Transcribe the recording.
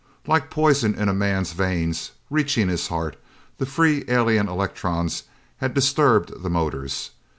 Like poison in a man's veins, reaching his heart, the free alien electrons had disturbed the motors.